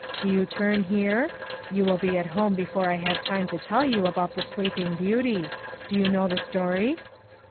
Do you turn here? You will be at home before I have time to tell you about the sleeping beauty. Do you know the story?"